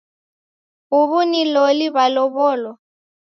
Huw'u ni loli walow'olo?